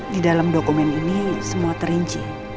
di dalam dokumen ini semua terinci